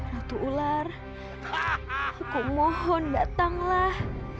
ratu ular aku mohon datanglah